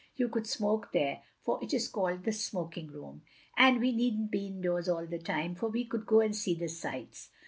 You could smoke there — ^for it is called the smoking room. And we need n't be indoors all the time, for we could go and see the sights.